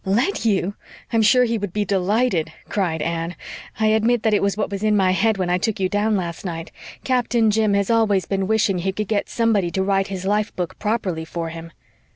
"Let you! I'm sure he would be delighted," cried Anne. "I admit that it was what was in my head when I took you down last night. Captain Jim has always been wishing he could get somebody to write his life book properly for him."